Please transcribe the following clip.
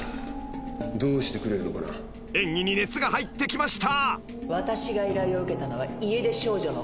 ［演技に熱が入ってきました］